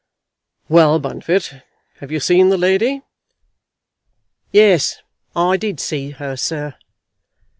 "Well, Bunfit, have you seen the lady?" "Yes, I did see her, sir."